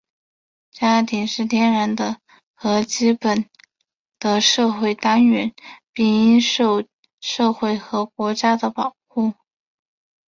家庭是天然的和基本的社会单元,并应受社会和国家的保护。